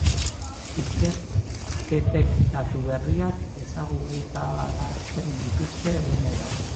Ikerketek datu berriak ezagutarazten dituzte egunero.